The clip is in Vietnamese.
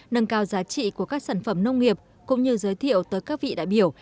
nâng cao giá trị của các sản phẩm nông nghiệp cũng như giới thiệu tới các vị đại biểu